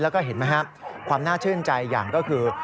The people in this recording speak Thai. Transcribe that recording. แล้วก็เห็นไหมครับความน่าชื่นใจอย่างก็คือ